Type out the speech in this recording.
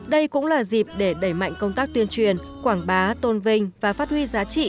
đây cũng là dịp để đẩy mạnh công tác tuyên truyền quảng bá tôn vinh và phát huy giá trị